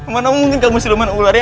mana mungkin kamu si leman ular ya